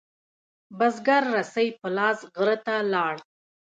بزگر رسۍ په لاس غره ته لاړ.